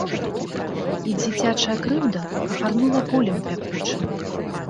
І дзіцячая крыўда агарнула болем пякучым.